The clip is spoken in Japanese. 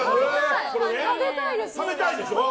食べたいでしょ？